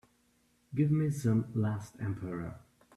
give me some Last Emperor